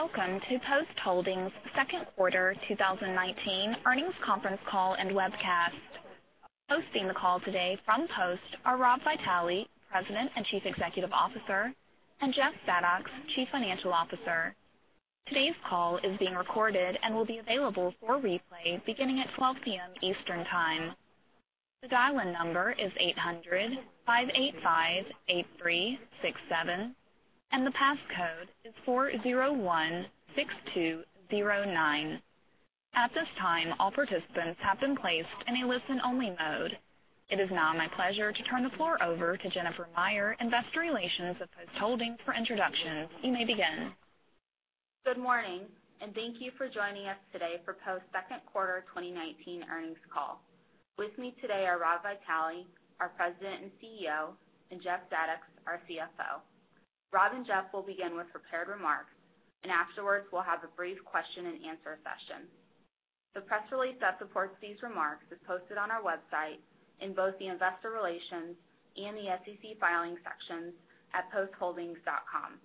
Welcome to Post Holdings Second Quarter 2019 Earnings Conference Call and Webcast. Hosting the call today from Post are Rob Vitale, President and Chief Executive Officer, and Jeff Zadoks, Chief Financial Officer. Today's call is being recorded and will be available for replay beginning at 12:00 P.M. Eastern Time. The dial-in number is 800-585-8367, and the passcode is 4016209. At this time, all participants have been placed in a listen-only mode. It is now my pleasure to turn the floor over to Jennifer Meyer, Investor Relations with Post Holdings, for introductions. You may begin. Good morning, thank you for joining us today for Post Second Quarter 2019 Earnings Call. With me today are Rob Vitale, our President and CEO, and Jeff Zadoks, our CFO. Rob and Jeff will begin with prepared remarks, afterwards, we'll have a brief question and answer session. The press release that supports these remarks is posted on our website in both the Investor Relations and the SEC Filings sections at postholdings.com.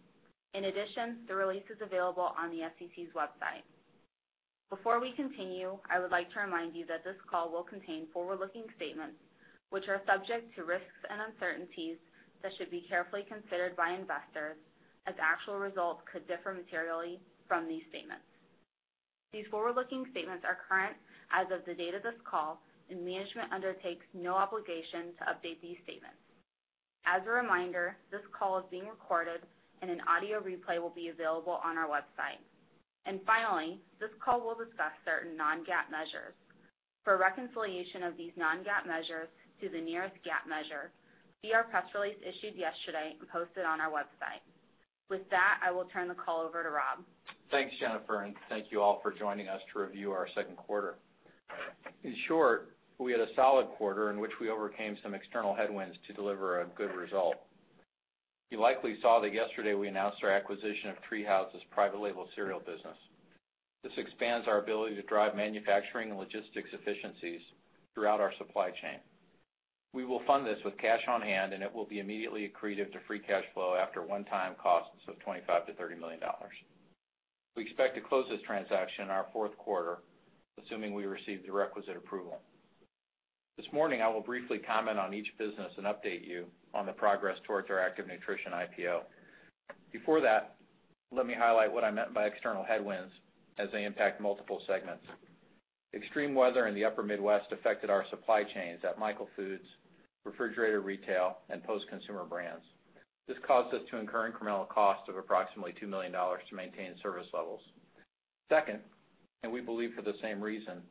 In addition, the release is available on the SEC's website. Before we continue, I would like to remind you that this call will contain forward-looking statements, which are subject to risks and uncertainties that should be carefully considered by investors, as actual results could differ materially from these statements. These forward-looking statements are current as of the date of this call, management undertakes no obligation to update these statements. As a reminder, this call is being recorded, an audio replay will be available on our website. Finally, this call will discuss certain non-GAAP measures. For a reconciliation of these non-GAAP measures to the nearest GAAP measure, see our press release issued yesterday and posted on our website. With that, I will turn the call over to Rob. Thanks, Jennifer, thank you all for joining us to review our second quarter. In short, we had a solid quarter in which we overcame some external headwinds to deliver a good result. You likely saw that yesterday we announced our acquisition of TreeHouse's private label cereal business. This expands our ability to drive manufacturing and logistics efficiencies throughout our supply chain. We will fund this with cash on hand, it will be immediately accretive to free cash flow after one-time costs of $25 million-$30 million. We expect to close this transaction in our fourth quarter, assuming we receive the requisite approval. This morning, I will briefly comment on each business and update you on the progress towards our Active Nutrition IPO. Before that, let me highlight what I meant by external headwinds as they impact multiple segments. Extreme weather in the upper Midwest affected our supply chains at Michael Foods, Refrigerated Retail, and Post Consumer Brands. This caused us to incur incremental costs of approximately $2 million to maintain service levels. Second, we believe for the same reason,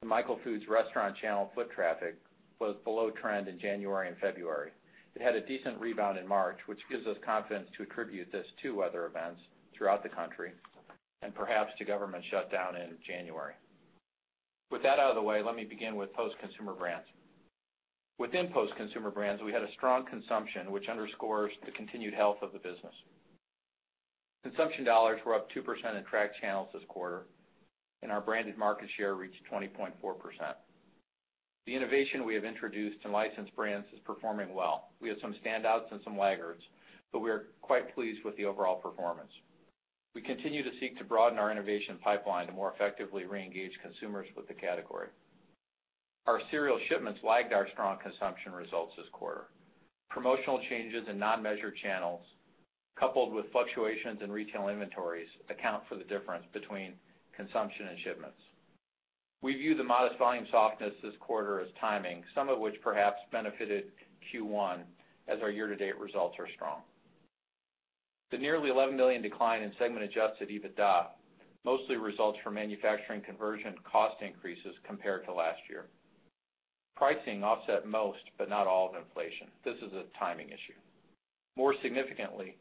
the Michael Foods restaurant channel foot traffic was below trend in January and February. It had a decent rebound in March, which gives us confidence to attribute this to weather events throughout the country and perhaps the government shutdown in January. With that out of the way, let me begin with Post Consumer Brands. Within Post Consumer Brands, we had a strong consumption, which underscores the continued health of the business. Consumption dollars were up 2% in tracked channels this quarter, and our branded market share reached 20.4%. The innovation we have introduced in licensed brands is performing well. We had some standouts and some laggards, we are quite pleased with the overall performance. We continue to seek to broaden our innovation pipeline to more effectively reengage consumers with the category. Our cereal shipments lagged our strong consumption results this quarter. Promotional changes in non-measured channels, coupled with fluctuations in retail inventories, account for the difference between consumption and shipments. We view the modest volume softness this quarter as timing, some of which perhaps benefited Q1, as our year-to-date results are strong. The nearly $11 million decline in segment adjusted EBITDA mostly results from manufacturing conversion cost increases compared to last year. Pricing offset most, but not all, of inflation. This is a timing issue. More significantly,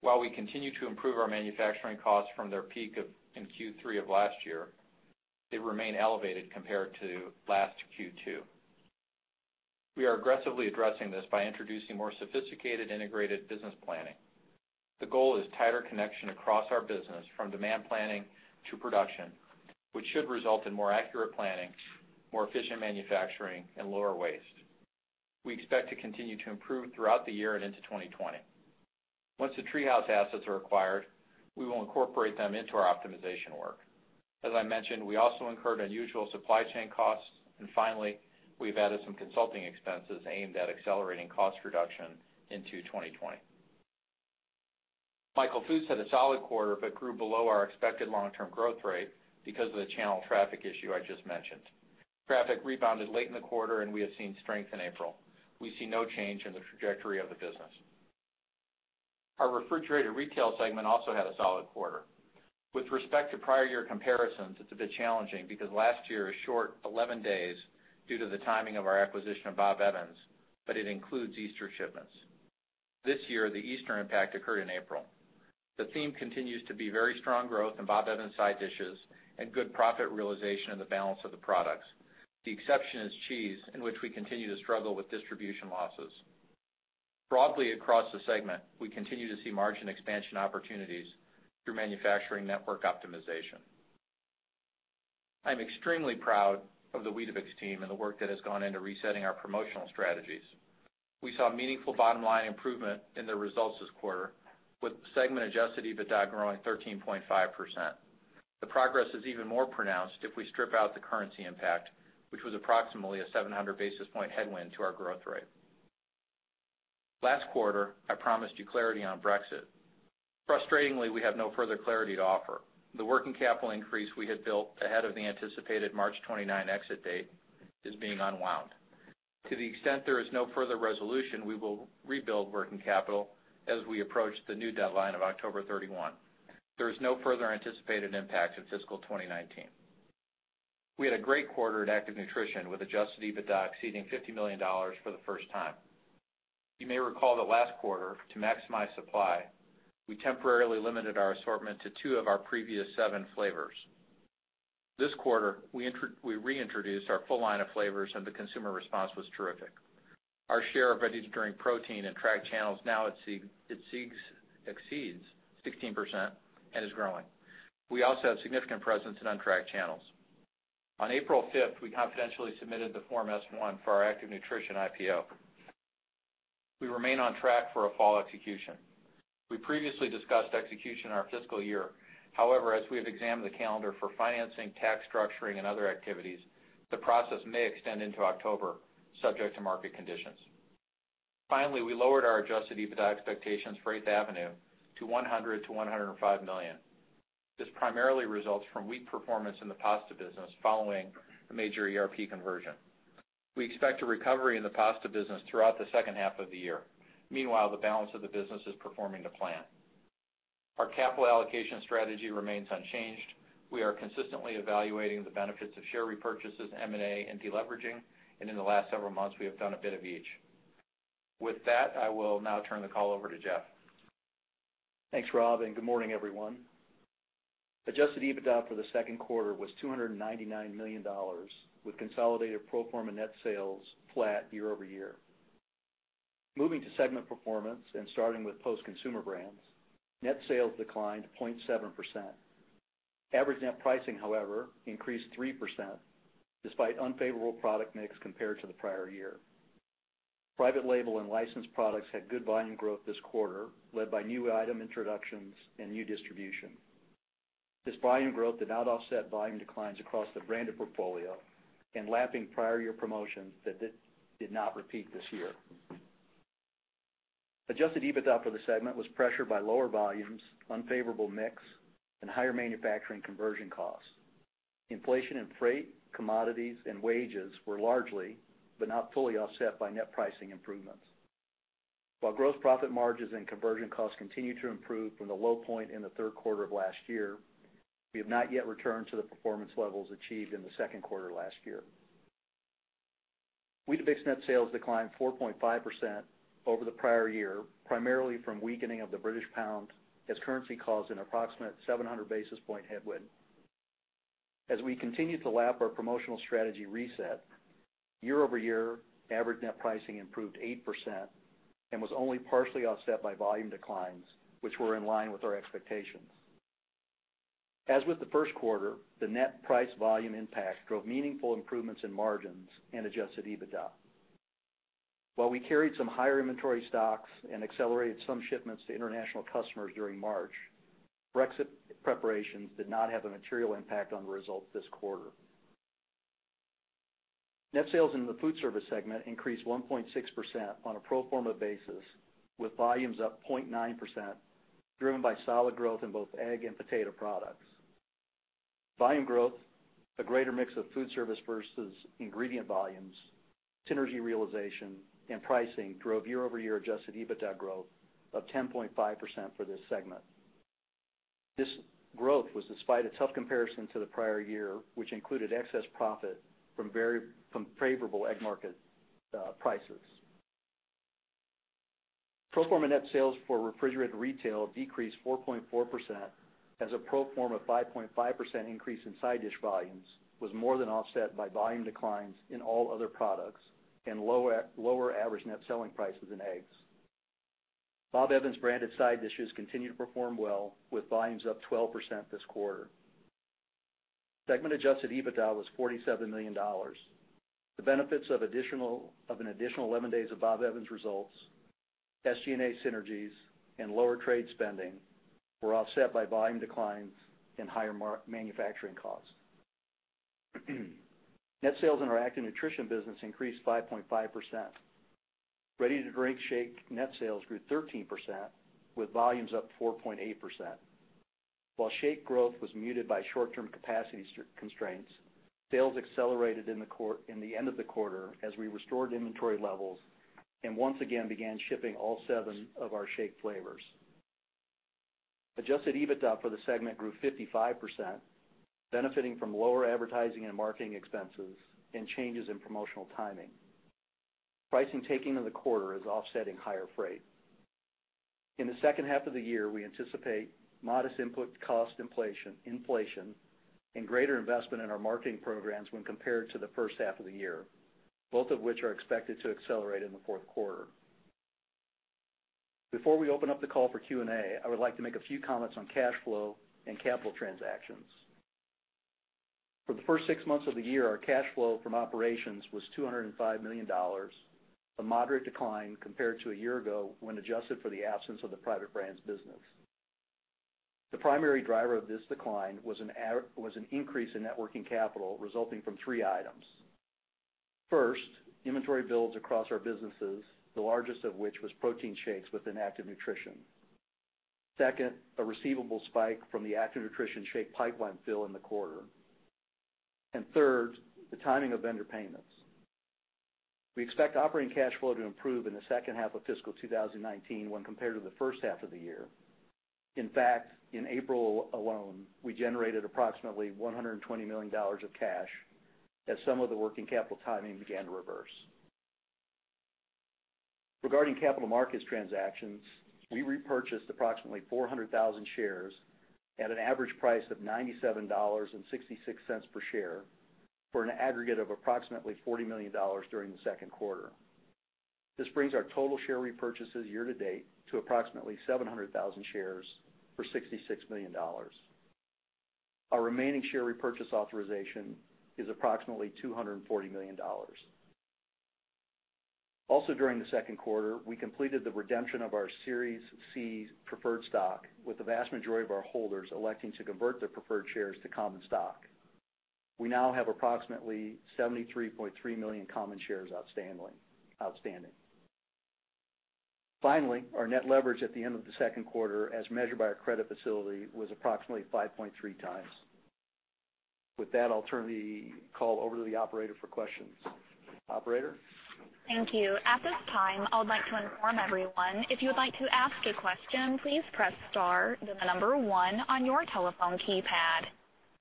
while we continue to improve our manufacturing costs from their peak in Q3 of last year, they remain elevated compared to last Q2. We are aggressively addressing this by introducing more sophisticated integrated business planning. The goal is tighter connection across our business, from demand planning to production, which should result in more accurate planning, more efficient manufacturing, and lower waste. We expect to continue to improve throughout the year and into 2020. Once the TreeHouse assets are acquired, we will incorporate them into our optimization work. Finally, we've added some consulting expenses aimed at accelerating cost reduction into 2020. Michael Foods had a solid quarter, grew below our expected long-term growth rate because of the channel traffic issue I just mentioned. Traffic rebounded late in the quarter, we have seen strength in April. We see no change in the trajectory of the business. Our Refrigerated Retail segment also had a solid quarter. With respect to prior year comparisons, it's a bit challenging because last year was short 11 days due to the timing of our acquisition of Bob Evans, it includes Easter shipments. This year, the Easter impact occurred in April. The theme continues to be very strong growth in Bob Evans side dishes and good profit realization in the balance of the products. The exception is cheese, in which we continue to struggle with distribution losses. Broadly across the segment, we continue to see margin expansion opportunities through manufacturing network optimization. I'm extremely proud of the Weetabix team and the work that has gone into resetting our promotional strategies. We saw a meaningful bottom-line improvement in the results this quarter, with segment adjusted EBITDA growing 13.5%. The progress is even more pronounced if we strip out the currency impact, which was approximately a 700 basis point headwind to our growth rate. Last quarter, I promised you clarity on Brexit. Frustratingly, we have no further clarity to offer. The working capital increase we had built ahead of the anticipated March 29 exit date is being unwound. To the extent there is no further resolution, we will rebuild working capital as we approach the new deadline of October 31. There is no further anticipated impact in fiscal 2019. We had a great quarter at Active Nutrition, with adjusted EBITDA exceeding $50 million for the first time. You may recall that last quarter, to maximize supply, we temporarily limited our assortment to two of our previous seven flavors. This quarter, we reintroduced our full line of flavors, and the consumer response was terrific. Our share of ready-to-drink protein in tracked channels now exceeds 16% and is growing. We also have significant presence in untracked channels. On April 5th, we confidentially submitted the Form S-1 for our Active Nutrition IPO. We remain on track for a fall execution. We previously discussed execution in our fiscal year. However, as we have examined the calendar for financing, tax structuring, and other activities, the process may extend into October, subject to market conditions. Finally, we lowered our adjusted EBITDA expectations for 8th Avenue to $100 million-$105 million. This primarily results from weak performance in the pasta business following the major ERP conversion. We expect a recovery in the pasta business throughout the second half of the year. Meanwhile, the balance of the business is performing to plan. Our capital allocation strategy remains unchanged. We are consistently evaluating the benefits of share repurchases, M&A, and deleveraging, and in the last several months, we have done a bit of each. With that, I will now turn the call over to Jeff. Thanks, Rob, and good morning, everyone. Adjusted EBITDA for the second quarter was $299 million, with consolidated pro forma net sales flat year-over-year. Moving to segment performance and starting with Post Consumer Brands, net sales declined 0.7%. Average net pricing, however, increased 3%, despite unfavorable product mix compared to the prior year. Private label and licensed products had good volume growth this quarter, led by new item introductions and new distribution. This volume growth did not offset volume declines across the branded portfolio and lapping prior year promotions that did not repeat this year. Adjusted EBITDA for the segment was pressured by lower volumes, unfavorable mix, and higher manufacturing conversion costs. Inflation in freight, commodities, and wages were largely, but not fully, offset by net pricing improvements. While gross profit margins and conversion costs continue to improve from the low point in the third quarter of last year, we have not yet returned to the performance levels achieved in the second quarter last year. Weetabix net sales declined 4.5% over the prior year, primarily from weakening of the British pound, as currency caused an approximate 700 basis point headwind. As we continue to lap our promotional strategy reset, year-over-year average net pricing improved 8% and was only partially offset by volume declines, which were in line with our expectations. As with the first quarter, the net price volume impact drove meaningful improvements in margins and adjusted EBITDA. While we carried some higher inventory stocks and accelerated some shipments to international customers during March, Brexit preparations did not have a material impact on the results this quarter. Net sales in the Foodservice segment increased 1.6% on a pro forma basis, with volumes up 0.9%, driven by solid growth in both egg and potato products. Volume growth, a greater mix of foodservice versus ingredient volumes, synergy realization, and pricing drove year-over-year adjusted EBITDA growth of 10.5% for this segment. This growth was despite a tough comparison to the prior year, which included excess profit from favorable egg market prices. Pro forma net sales for Refrigerated Retail decreased 4.4%, as a pro forma 5.5% increase in side dish volumes was more than offset by volume declines in all other products and lower average net selling prices in eggs. Bob Evans branded side dishes continue to perform well, with volumes up 12% this quarter. Segment adjusted EBITDA was $47 million. The benefits of an additional 11 days of Bob Evans results, SG&A synergies, and lower trade spending were offset by volume declines and higher manufacturing costs. Net sales in our Active Nutrition business increased 5.5%. Ready-to-drink shake net sales grew 13%, with volumes up 4.8%. While shake growth was muted by short-term capacity constraints, sales accelerated in the end of the quarter as we restored inventory levels and once again began shipping all seven of our shake flavors. Adjusted EBITDA for the segment grew 55%, benefiting from lower advertising and marketing expenses and changes in promotional timing. Pricing taking in the quarter is offsetting higher freight. In the second half of the year, we anticipate modest input cost inflation and greater investment in our marketing programs when compared to the first half of the year, both of which are expected to accelerate in the fourth quarter. Before we open up the call for Q&A, I would like to make a few comments on cash flow and capital transactions. For the first six months of the year, our cash flow from operations was $205 million, a moderate decline compared to a year ago when adjusted for the absence of the private brands business. The primary driver of this decline was an increase in net working capital resulting from three items. First, inventory builds across our businesses, the largest of which was protein shakes within Active Nutrition. Second, a receivable spike from the Active Nutrition shake pipeline fill in the quarter. Third, the timing of vendor payments. We expect operating cash flow to improve in the second half of fiscal 2019 when compared to the first half of the year. In fact, in April alone, we generated approximately $120 million of cash as some of the working capital timing began to reverse. Regarding capital markets transactions, we repurchased approximately 400,000 shares at an average price of $97.66 per share for an aggregate of approximately $40 million during the second quarter. This brings our total share repurchases year to date to approximately 700,000 shares for $66 million. Our remaining share repurchase authorization is approximately $240 million. Also during the second quarter, we completed the redemption of our Series C preferred stock, with the vast majority of our holders electing to convert their preferred shares to common stock. We now have approximately 73.3 million common shares outstanding. Our net leverage at the end of the second quarter, as measured by our credit facility, was approximately 5.3 times. With that, I'll turn the call over to the operator for questions. Operator? Thank you. At this time, I would like to inform everyone if you would like to ask a question, please press star, then the number 1 on your telephone keypad.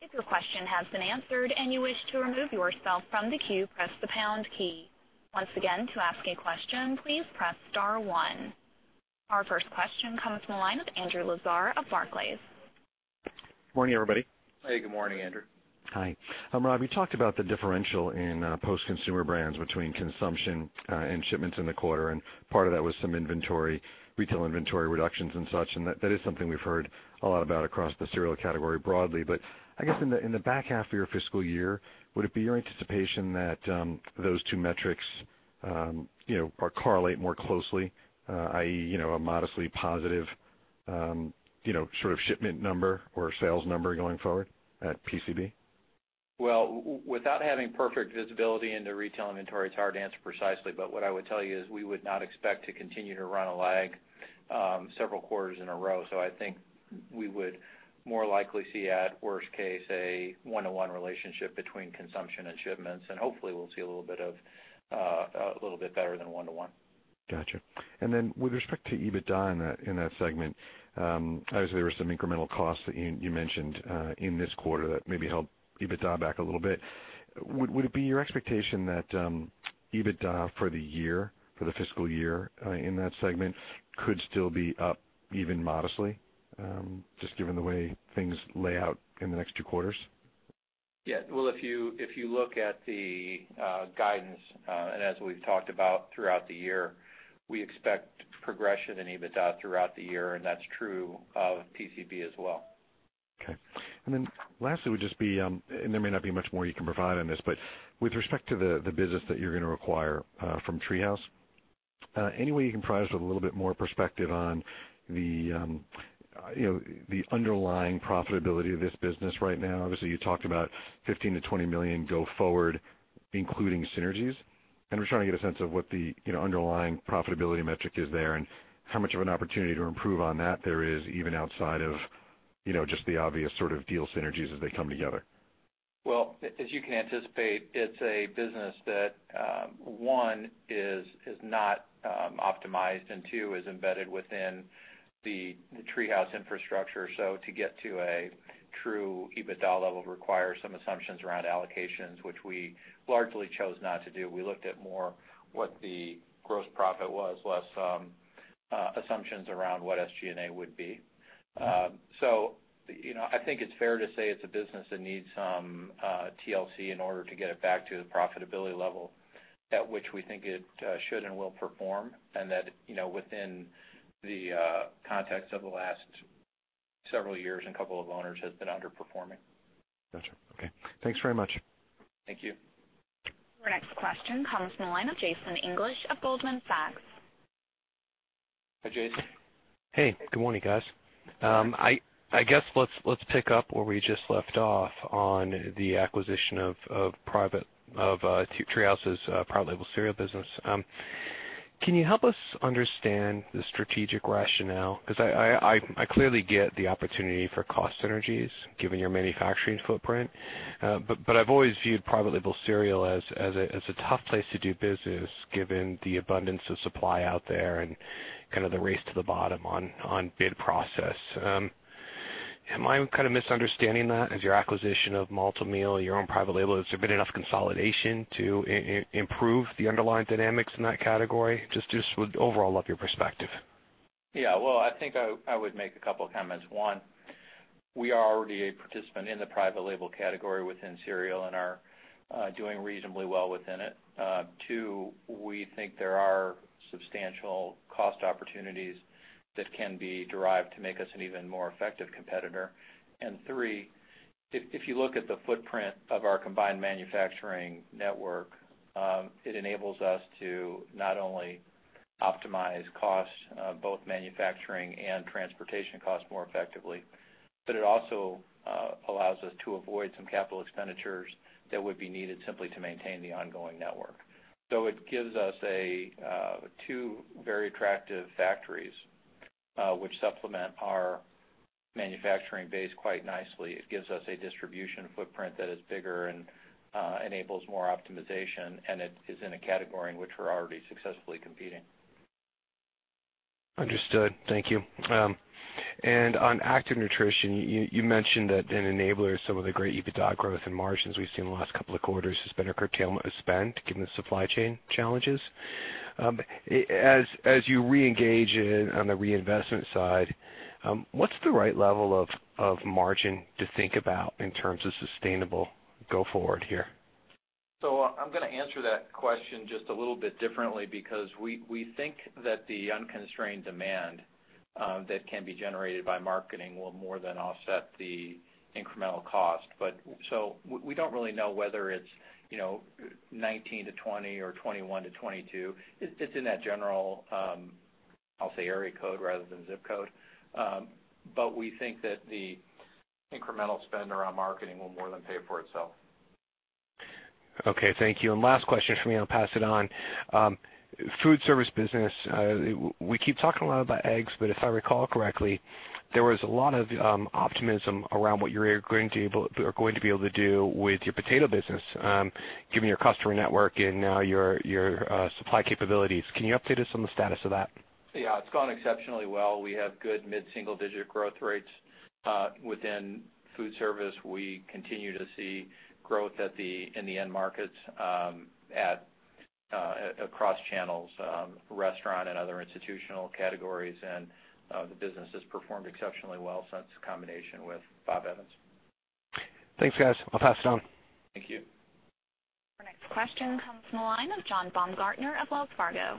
If your question has been answered and you wish to remove yourself from the queue, press the pound key. Once again, to ask a question, please press star 1. Our first question comes from the line of Andrew Lazar of Barclays. Morning, everybody. Hey, good morning, Andrew. Hi. Rob, you talked about the differential in Post Consumer Brands between consumption, and shipments in the quarter, and part of that was some retail inventory reductions and such, and that is something we've heard a lot about across the cereal category broadly. I guess in the back half of your fiscal year, would it be your anticipation that those two metrics correlate more closely, i.e., a modestly positive shipment number or sales number going forward at PCB? Well, without having perfect visibility into retail inventory, it's hard to answer precisely, but what I would tell you is we would not expect to continue to run a lag several quarters in a row. I think we would more likely see, at worst case, a one-to-one relationship between consumption and shipments, and hopefully we'll see a little bit better than one to one. Got you. Then with respect to EBITDA in that segment, obviously, there were some incremental costs that you mentioned in this quarter that maybe held EBITDA back a little bit. Would it be your expectation that EBITDA for the fiscal year in that segment could still be up even modestly, just given the way things lay out in the next two quarters? If you look at the guidance, as we've talked about throughout the year, we expect progression in EBITDA throughout the year, that's true of PCB as well. Okay. Lastly, there may not be much more you can provide on this, with respect to the business that you're going to acquire from TreeHouse, any way you can provide us with a little bit more perspective on the underlying profitability of this business right now? Obviously, you talked about $15 million-$20 million go forward, including synergies, we're trying to get a sense of what the underlying profitability metric is there and how much of an opportunity to improve on that there is even outside of just the obvious deal synergies as they come together. As you can anticipate, it's a business that, one, is not optimized, two, is embedded within the TreeHouse infrastructure. To get to a true EBITDA level requires some assumptions around allocations, which we largely chose not to do. We looked at more what the gross profit was, less assumptions around what SG&A would be. I think it's fair to say it's a business that needs some TLC in order to get it back to the profitability level at which we think it should and will perform, that within the context of the last several years and a couple of owners has been underperforming. Got you. Okay. Thanks very much. Thank you. Our next question comes from the line of Jason English of Goldman Sachs. Hi, Jason. Hey, good morning, guys. I guess let's pick up where we just left off on the acquisition of TreeHouse's private label cereal business. Can you help us understand the strategic rationale? I clearly get the opportunity for cost synergies given your manufacturing footprint. I've always viewed private label cereal as a tough place to do business given the abundance of supply out there and the race to the bottom on bid process. Am I misunderstanding that as your acquisition of Malt-O-Meal, your own private label, has there been enough consolidation to improve the underlying dynamics in that category? Just would overall love your perspective. Yeah. Well, I think I would make a couple comments. One We are already a participant in the private label category within cereal and are doing reasonably well within it. Two, we think there are substantial cost opportunities that can be derived to make us an even more effective competitor. Three, if you look at the footprint of our combined manufacturing network, it enables us to not only optimize costs, both manufacturing and transportation costs more effectively, but it also allows us to avoid some capital expenditures that would be needed simply to maintain the ongoing network. It gives us two very attractive factories, which supplement our manufacturing base quite nicely. It gives us a distribution footprint that is bigger and enables more optimization, and it is in a category in which we're already successfully competing. Understood. Thank you. On Active Nutrition, you mentioned that an enabler of some of the great EBITDA growth and margins we've seen in the last couple of quarters has been a curtailment of spend, given the supply chain challenges. As you reengage on the reinvestment side, what's the right level of margin to think about in terms of sustainable go forward here? I'm going to answer that question just a little bit differently, because we think that the unconstrained demand that can be generated by marketing will more than offset the incremental cost. We don't really know whether it's 19%-20% or 21%-22%. It's in that general, I'll say, area code rather than zip code. We think that the incremental spend around marketing will more than pay for itself. Okay, thank you. Last question from me, and I'll pass it on. Foodservice business, we keep talking a lot about eggs, but if I recall correctly, there was a lot of optimism around what you're going to be able to do with your potato business, given your customer network and now your supply capabilities. Can you update us on the status of that? Yeah, it's gone exceptionally well. We have good mid-single-digit growth rates within Foodservice. We continue to see growth in the end markets across channels, restaurant and other institutional categories, and the business has performed exceptionally well since combination with Bob Evans. Thanks, guys. I'll pass it on. Thank you. Our next question comes from the line of John Baumgartner of Wells Fargo.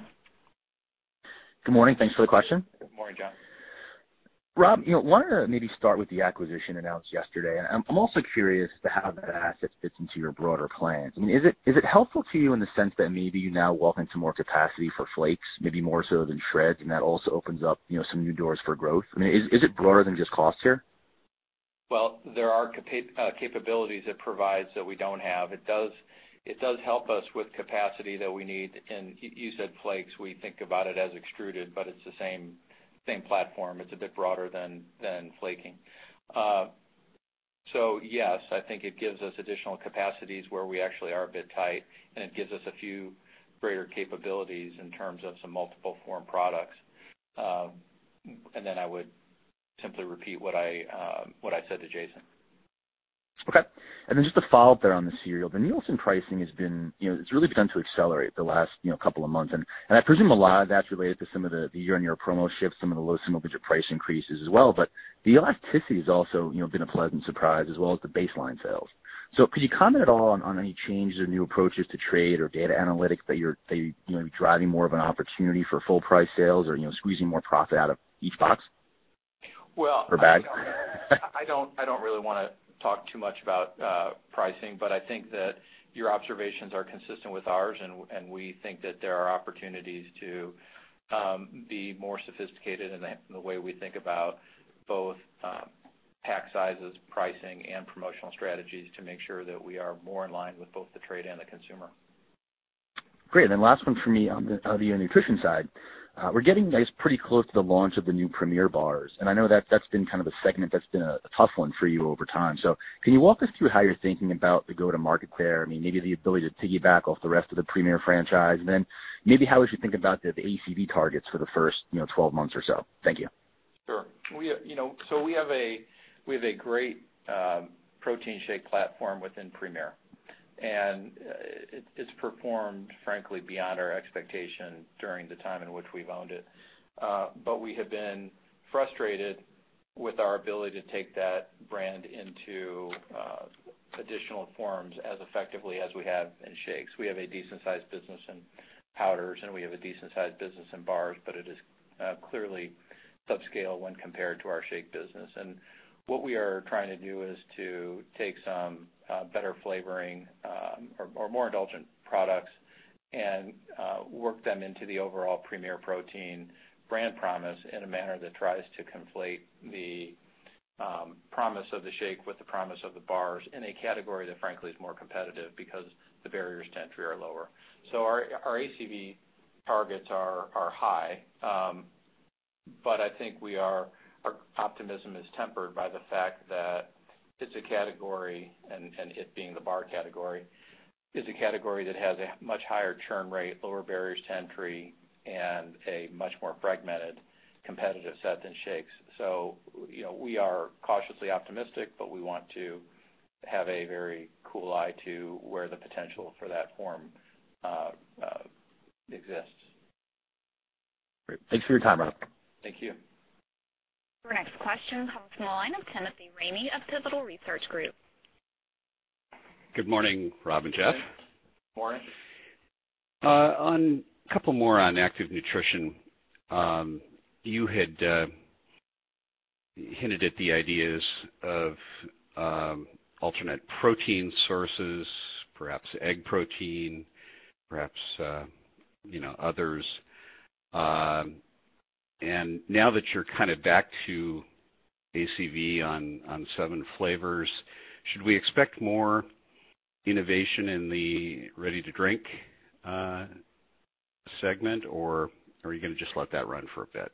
Good morning. Thanks for the question. Good morning, John. Rob, wanted to maybe start with the acquisition announced yesterday. I'm also curious to how that asset fits into your broader plans. Is it helpful to you in the sense that maybe you now walk into more capacity for flakes, maybe more so than shreds, and that also opens up some new doors for growth? Is it broader than just cost here? Well, there are capabilities it provides that we don't have. It does help us with capacity that we need, and you said flakes, we think about it as extruded, but it's the same platform. It's a bit broader than flaking. Yes, I think it gives us additional capacities where we actually are a bit tight, and it gives us a few greater capabilities in terms of some multiple form products. Then I would simply repeat what I said to Jason. Okay. Then just a follow-up there on the cereal. The Nielsen pricing has really begun to accelerate the last couple of months, and I presume a lot of that's related to some of the year-on-year promo shifts, some of the low single-digit price increases as well, but the elasticity has also been a pleasant surprise, as well as the baseline sales. Could you comment at all on any changes or new approaches to trade or data analytics that you're driving more of an opportunity for full price sales or squeezing more profit out of each box or bag? I don't really want to talk too much about pricing, I think that your observations are consistent with ours, we think that there are opportunities to be more sophisticated in the way we think about both pack sizes, pricing, and promotional strategies to make sure that we are more in line with both the trade and the consumer. Great. Last one from me on the nutrition side. We're getting, I guess, pretty close to the launch of the new Premier bars, I know that's been kind of a segment that's been a tough one for you over time. Can you walk us through how you're thinking about the go-to-market there? Maybe the ability to piggyback off the rest of the Premier franchise, then maybe how would you think about the ACV targets for the first 12 months or so? Thank you. Sure. We have a great protein shake platform within Premier, and it's performed, frankly, beyond our expectation during the time in which we've owned it. We have been frustrated with our ability to take that brand into additional forms as effectively as we have in shakes. We have a decent sized business in powders, and we have a decent sized business in bars, but it is clearly subscale when compared to our shake business. What we are trying to do is to take some better flavoring or more indulgent products and work them into the overall Premier Protein brand promise in a manner that tries to conflate the promise of the shake with the promise of the bars in a category that, frankly, is more competitive because the barriers to entry are lower. Our ACV targets are high, but I think our optimism is tempered by the fact that it's a category, and it being the bar category, is a category that has a much higher churn rate, lower barriers to entry, and a much more fragmented competitive set than shakes. We are cautiously optimistic, but we want to have a very cool eye to where the potential for that form exists. Great. Thanks for your time, Rob. Thank you. Your next question comes from the line of Timothy Ramey of Pivotal Research Group. Good morning, Rob and Jeff. Morning. A couple more on Active Nutrition. You had hinted at the ideas of alternate protein sources, perhaps egg protein, perhaps others. Now that you're back to ACV on seven flavors, should we expect more innovation in the ready-to-drink segment, or are you going to just let that run for a bit?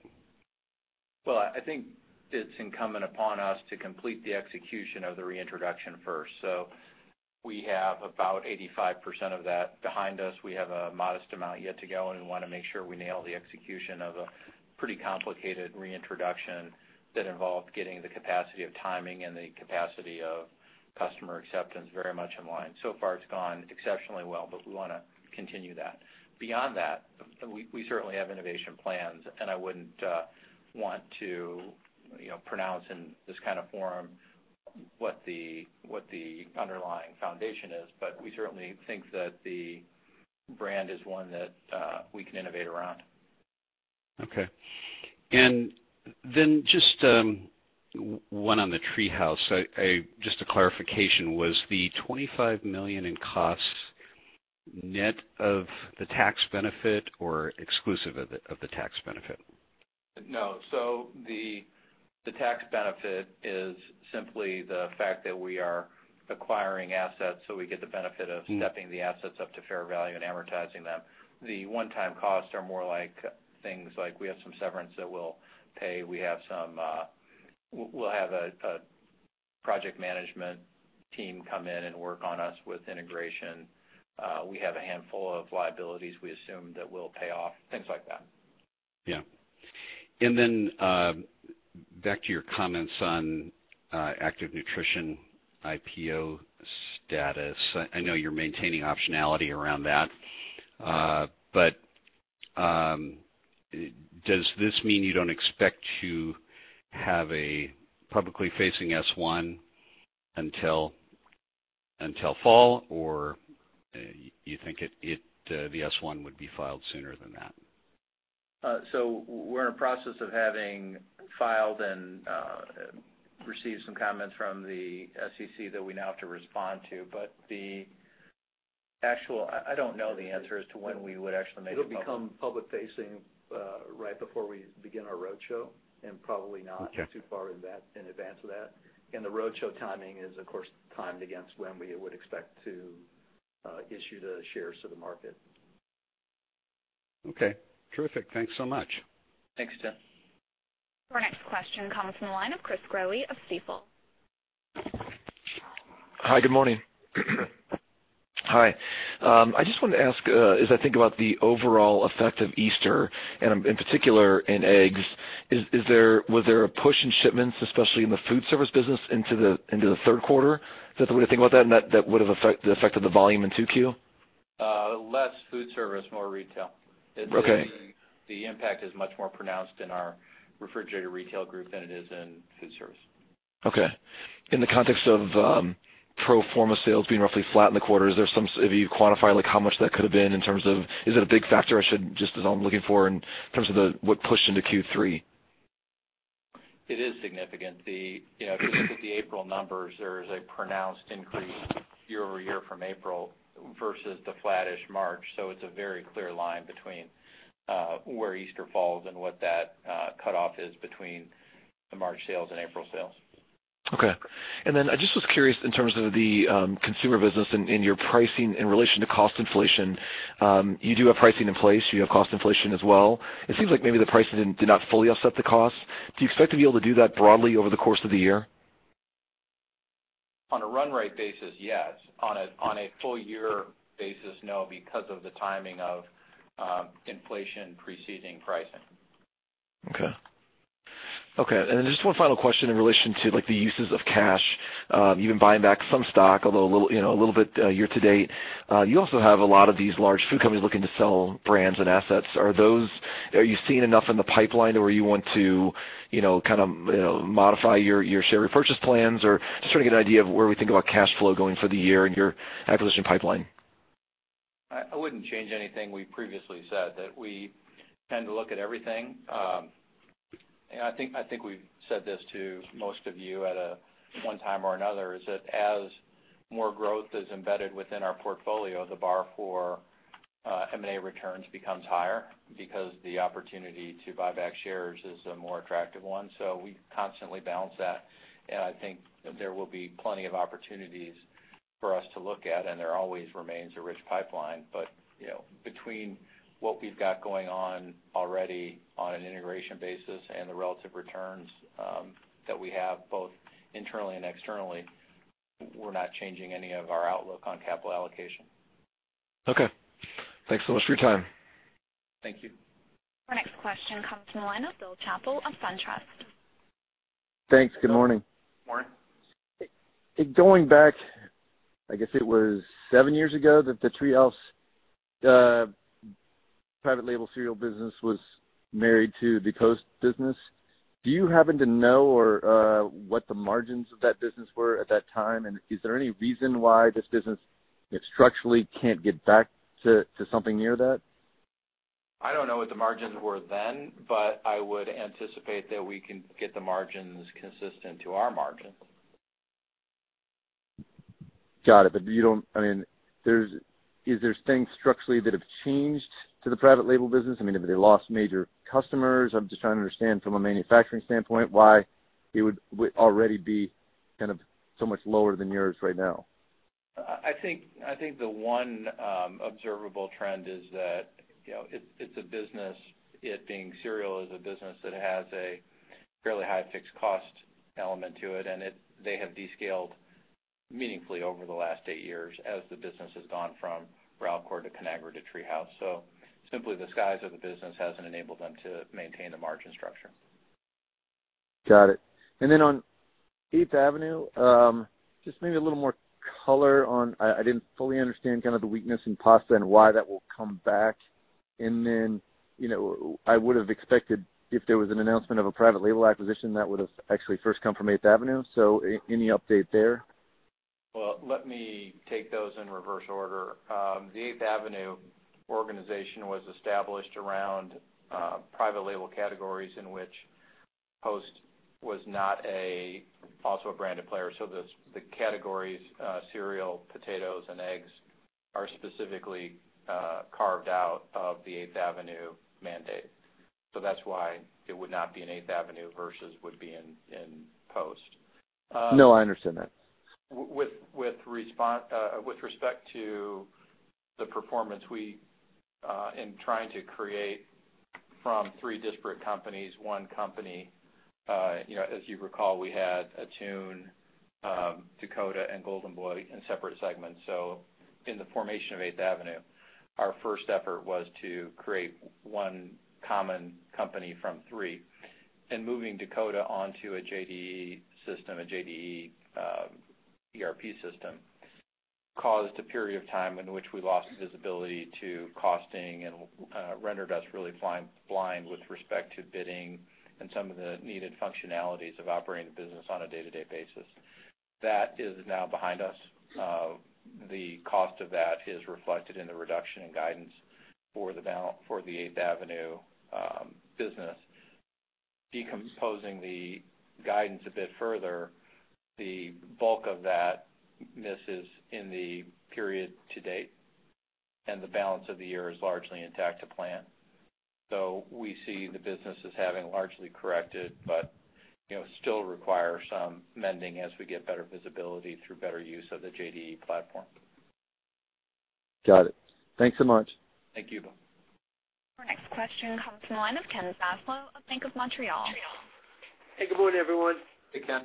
Well, I think it's incumbent upon us to complete the execution of the reintroduction first. We have about 85% of that behind us. We have a modest amount yet to go, and we want to make sure we nail the execution of a pretty complicated reintroduction that involved getting the capacity of timing and the capacity of customer acceptance very much in line. Far, it's gone exceptionally well, but we want to continue that. Beyond that, we certainly have innovation plans, and I wouldn't want to pronounce in this kind of forum what the underlying foundation is, but we certainly think that the brand is one that we can innovate around. Okay. Just one on the TreeHouse. Just a clarification, was the $25 million in costs net of the tax benefit or exclusive of the tax benefit? No. The tax benefit is simply the fact that we are acquiring assets, so we get the benefit of stepping the assets up to fair value and amortizing them. The one-time costs are more like things like we have some severance that we'll pay, we'll have a project management team come in and work on us with integration. We have a handful of liabilities we assume that we'll pay off, things like that. Yeah. Back to your comments on Active Nutrition IPO status. I know you're maintaining optionality around that. Does this mean you don't expect to have a publicly facing S1 until fall, or you think the S1 would be filed sooner than that? We're in the process of having filed and received some comments from the SEC that we now have to respond to. The actual, I don't know the answer as to when we would actually make it public. It'll become public-facing right before we begin our roadshow, and probably not too far in advance of that. The roadshow timing is, of course, timed against when we would expect to issue the shares to the market. Okay. Terrific. Thanks so much. Thanks, Tim. Our next question comes from the line of Chris Growe of Stifel. Hi, good morning. Hi. I just wanted to ask, as I think about the overall effect of Easter, and in particular in eggs, was there a push in shipments, especially in the Foodservice business into the third quarter? Is that the way to think about that, and that would have affected the volume in 2Q? Less Foodservice, more Refrigerated Retail. Okay. The impact is much more pronounced in our Refrigerated Retail group than it is in Foodservice. Okay. In the context of pro forma sales being roughly flat in the quarter, have you quantified how much that could have been in terms of, is it a big factor I should just, as I'm looking for, in terms of what pushed into Q3? It is significant. If you look at the April numbers, there is a pronounced increase year-over-year from April versus the flattish March. It's a very clear line between where Easter falls and what that cutoff is between the March sales and April sales. Okay. I just was curious in terms of the consumer business and your pricing in relation to cost inflation. You do have pricing in place, you have cost inflation as well. It seems like maybe the pricing did not fully offset the cost. Do you expect to be able to do that broadly over the course of the year? On a run rate basis, yes. On a full year basis, no, because of the timing of inflation preceding pricing. Okay. Just one final question in relation to the uses of cash. You've been buying back some stock, although a little bit year-to-date. You also have a lot of these large food companies looking to sell brands and assets. Are you seeing enough in the pipeline to where you want to modify your share repurchase plans? Or just trying to get an idea of where we think about cash flow going for the year and your acquisition pipeline. I wouldn't change anything we previously said, that we tend to look at everything. I think we've said this to most of you at one time or another, is that as more growth is embedded within our portfolio, the bar for M&A returns becomes higher because the opportunity to buy back shares is a more attractive one. We constantly balance that. I think that there will be plenty of opportunities for us to look at, and there always remains a rich pipeline. Between what we've got going on already on an integration basis and the relative returns that we have, both internally and externally, we're not changing any of our outlook on capital allocation. Okay. Thanks so much for your time. Thank you. Our next question comes from the line of Bill Chappell of SunTrust. Thanks. Good morning. Going back, I guess it was seven years ago that the TreeHouse private label cereal business was married to the Post business. Do you happen to know what the margins of that business were at that time? Is there any reason why this business, structurally, can't get back to something near that? I don't know what the margins were then, but I would anticipate that we can get the margins consistent to our margins. Got it. Is there things structurally that have changed to the private label business? Have they lost major customers? I'm just trying to understand from a manufacturing standpoint why it would already be so much lower than yours right now. I think the one observable trend is that, it being cereal, is a business that has a fairly high fixed cost element to it, and they have descaled meaningfully over the last eight years as the business has gone from Ralcorp to Conagra to TreeHouse. Simply, the size of the business hasn't enabled them to maintain the margin structure. Got it. On Eighth Avenue, just maybe a little more color on I didn't fully understand the weakness in pasta and why that will come back. I would have expected if there was an announcement of a private label acquisition, that would have actually first come from Eighth Avenue. Any update there? Well, let me take those in reverse order. The Eighth Avenue organization was established around private label categories in which Post was not also a branded player. The categories, cereal, potatoes, and eggs, are specifically carved out of the Eighth Avenue mandate. That's why it would not be in Eighth Avenue versus would be in Post. No, I understand that. With respect to the performance in trying to create from three disparate companies, one company, as you recall, we had Attune, Dakota, and Golden Boy in separate segments. In the formation of Eighth Avenue, our first effort was to create one common company from three. Moving Dakota onto a JDE system, a JDE ERP system, caused a period of time in which we lost visibility to costing and rendered us really blind with respect to bidding and some of the needed functionalities of operating the business on a day-to-day basis. That is now behind us. The cost of that is reflected in the reduction in guidance for the Eighth Avenue business. Decomposing the guidance a bit further, the bulk of that misses in the period to date, and the balance of the year is largely intact to plan. We see the business as having largely corrected, but still requires some mending as we get better visibility through better use of the JDE platform. Got it. Thanks so much. Thank you. Our next question comes from the line of Ken Zaslow of Bank of Montreal. Hey, good morning, everyone. Hey, Ken.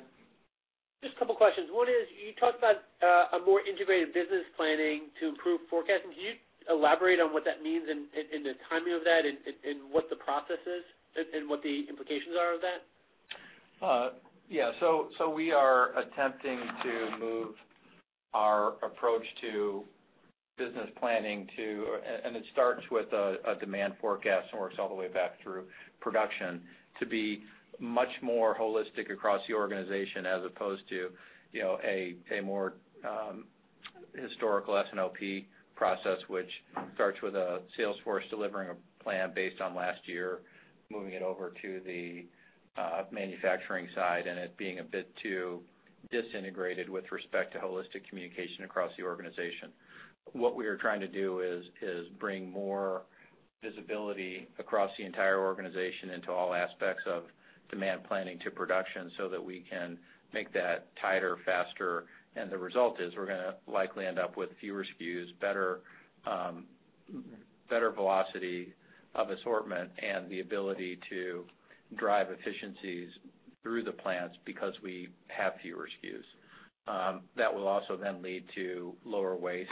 Just a couple of questions. One is, you talked about a more integrated business planning to improve forecasting. Can you elaborate on what that means and the timing of that and what the process is and what the implications are of that? Yeah. We are attempting to move our approach to business planning to. It starts with a demand forecast and works all the way back through production to be much more holistic across the organization as opposed to a more historical S&OP process, which starts with a sales force delivering a plan based on last year, moving it over to the manufacturing side, and it being a bit too disintegrated with respect to holistic communication across the organization. What we are trying to do is bring more visibility across the entire organization into all aspects of demand planning to production so that we can make that tighter, faster, and the result is we're going to likely end up with fewer SKUs, better velocity of assortment, and the ability to drive efficiencies through the plants because we have fewer SKUs. That will also then lead to lower waste.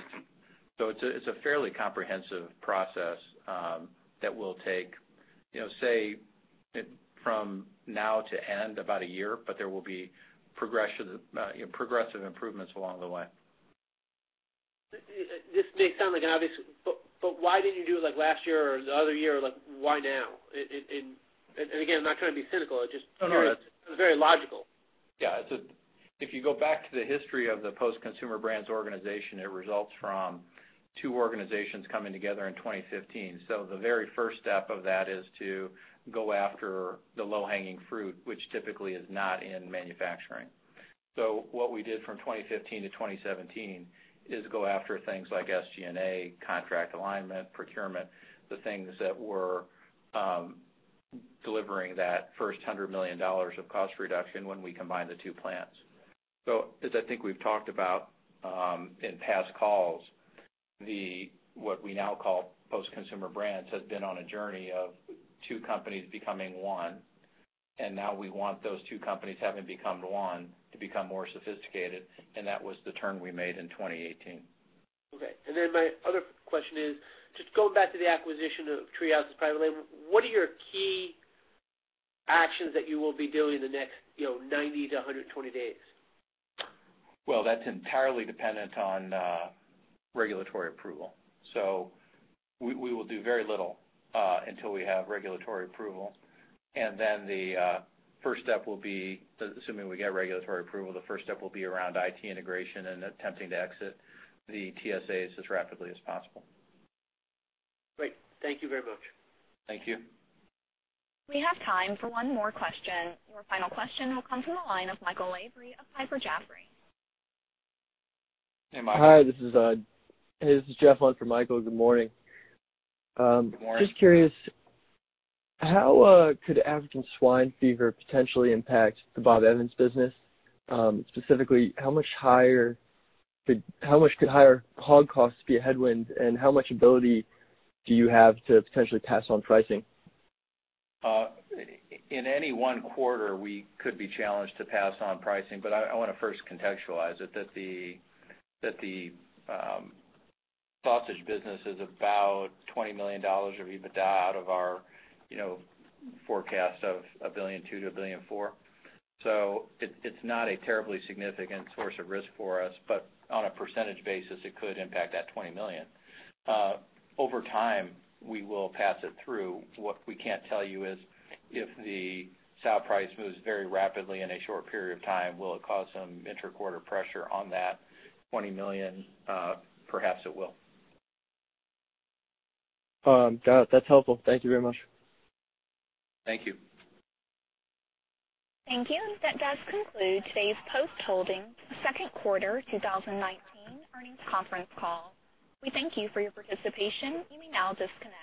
It's a fairly comprehensive process that will take, say from now to end, about a year, but there will be progressive improvements along the way. This may sound like an obvious, why didn't you do it last year or the other year? Why now? Again, I'm not trying to be cynical. No. It just seems very logical. Yeah. If you go back to the history of the Post Consumer Brands organization, it results from two organizations coming together in 2015. The very first step of that is to go after the low-hanging fruit, which typically is not in manufacturing. What we did from 2015 to 2017 is go after things like SG&A, contract alignment, procurement, the things that were delivering that first $100 million of cost reduction when we combined the two plans. As I think we've talked about in past calls, what we now call Post Consumer Brands, has been on a journey of two companies becoming one, and now we want those two companies having become one, to become more sophisticated, and that was the turn we made in 2018. Okay. My other question is, just going back to the acquisition of TreeHouse's private label, what are your key actions that you will be doing in the next 90 to 120 days? Well, that's entirely dependent on regulatory approval. We will do very little until we have regulatory approval, the first step will be, assuming we get regulatory approval, the first step will be around IT integration and attempting to exit the TSAs as rapidly as possible. Great. Thank you very much. Thank you. We have time for one more question. Your final question will come from the line of Michael Lavery of Piper Jaffray. Hey, Michael. Hi, this is Jeff Lund for Michael. Good morning. Good morning. Just curious, how could African swine fever potentially impact the Bob Evans business? Specifically, how much could higher hog costs be a headwind, and how much ability do you have to potentially pass on pricing? I want to first contextualize it that the sausage business is about $20 million of EBITDA out of our forecast of $1.2 billion to $1.4 billion. It's not a terribly significant source of risk for us, but on a % basis, it could impact that $20 million. Over time, we will pass it through. What we can't tell you is if the sow price moves very rapidly in a short period of time, will it cause some inter-quarter pressure on that $20 million? Perhaps it will. Got it. That's helpful. Thank you very much. Thank you. Thank you. That does conclude today's Post Holdings second quarter 2019 earnings conference call. We thank you for your participation. You may now disconnect.